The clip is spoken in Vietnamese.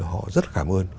họ rất cảm ơn